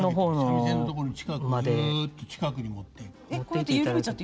三味線のとこの近くずっと近くに持っていく。